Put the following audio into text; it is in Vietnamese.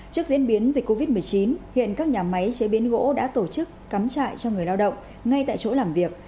trước diễn biến dịch covid một mươi chín hiện các nhà máy chế biến gỗ đã tổ chức cắm trại cho người lao động ngay tại chỗ làm việc